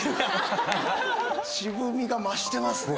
渋みが増してますね